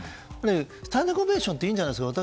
スタンディングオベーションっていいんじゃないですか。